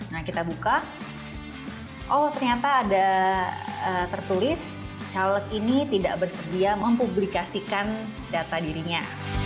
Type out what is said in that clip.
nah kita buka oh ternyata ada tertulis caleg ini tidak bersedia mempublikasikan data dirinya